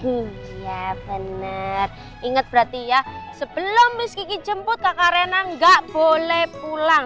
iya bener ingat berarti ya sebelum miss gigi jemput kakak rena nggak boleh pulang